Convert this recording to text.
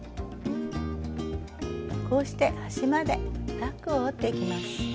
こうして端までタックを折っていきます。